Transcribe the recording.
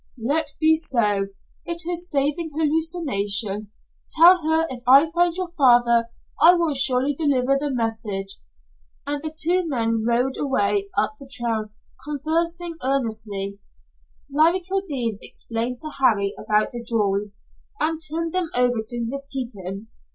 "Let be so. It's a saving hallucination. Tell her if I find your father, I will surely deliver the message." And the two men rode away up the trail, conversing earnestly. Larry Kildene explained to Harry about the jewels, and turned them over to his keeping.